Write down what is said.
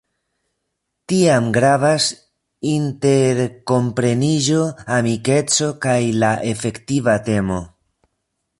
Tiam gravas interkompreniĝo, amikeco kaj la efektiva temo.